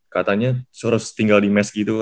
katanya suruh tinggal di mes gitu